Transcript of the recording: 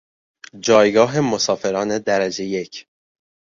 جایگاه مسافران درجه یک